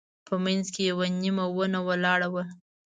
په منځ کې یوه نیمه ونه هم ولاړه وه.